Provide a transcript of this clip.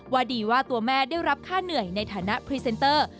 ว่าดีว่าตัวแม่ได้รับค่าเหนื่อยในฐานะพรีเซนเตอร์